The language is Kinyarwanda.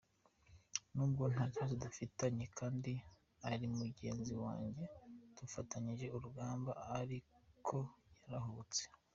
Nubwo nta kibazo dufitanye kandi ari mugenzi wanjye dufatanyije urugamba ariko yarahubutse.